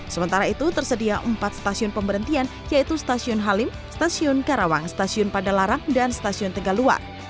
sementara itu tersedia empat stasiun pemberhentian yaitu stasiun halim stasiun karawang stasiun padalarang dan stasiun tegaluar